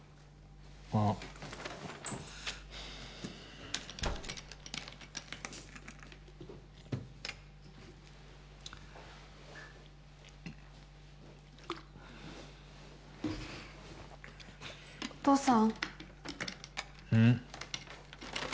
ああお父さんうん？